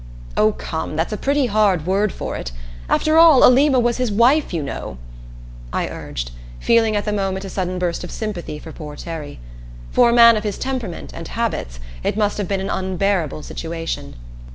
"Oh, come, that's a pretty hard word for it. After all, Alima was his wife, you know," I urged, feeling at the moment a sudden burst of sympathy for poor Terry. For a man of his temperament and habits it must have been an unbearable situation.